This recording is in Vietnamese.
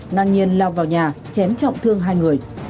nàng nhiên lao vào nhà chén trọng thương hai người